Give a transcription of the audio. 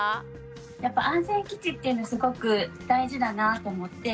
やっぱ安全基地っていうのすごく大事だなと思って。